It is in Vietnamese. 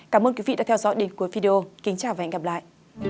cảm ơn quý vị đã theo dõi đến cuối video kính chào và hẹn gặp lại